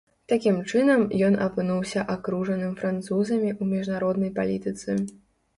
Такім чынам, ён апынуўся акружаным французамі ў міжнароднай палітыцы.